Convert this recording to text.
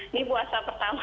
ini puasa pertama